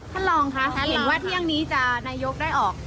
ท่านรองค่ะเห็นว่าเที่ยงนี้จะนายกได้ออก